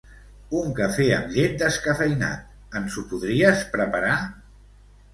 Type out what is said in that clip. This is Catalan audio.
Un cafè amb llet descafeïnat, ens ho podries preparar?